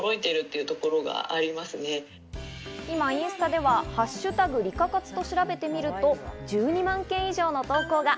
今、インスタでは「＃リカ活」と調べてみると１２万件以上の投稿が。